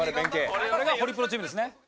「これがホリプロチームですね」